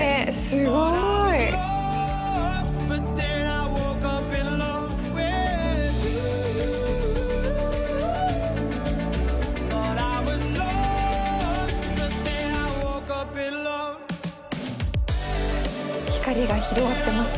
すごい！光が広がってますね。